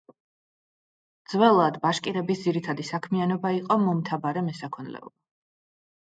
ძველად ბაშკირების ძირითადი საქმიანობა იყო მომთაბარე მესაქონლეობა.